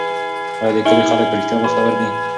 آیا د کلي خلک په رښتیا بختور دي؟